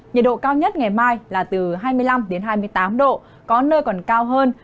nhiệt độ cao nhất ngày mai là từ hai mươi năm hai mươi tám độ có nơi còn cao hơn